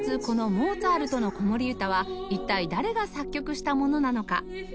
この『モーツァルトの子守歌』は一体誰が作曲したものなのか？